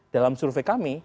dalam survei kami